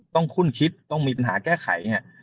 ต้องคุ้นคิดต้องมีปัญหาแก้ไข